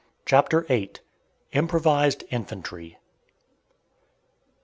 CHAPTER VIII. IMPROVISED INFANTRY.